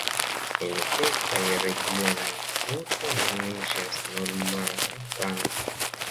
En kelkaj regionoj 'fluto' nomiĝas normala 'pano'.